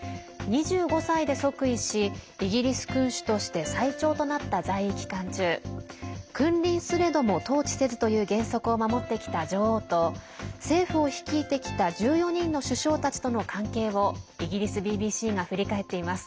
２５歳で即位しイギリス君主として最長となった在位期間中君臨すれども統治せずという原則を守ってきた女王と政府を率いてきた１４人の首相たちとの関係をイギリスＢＢＣが振り返っています。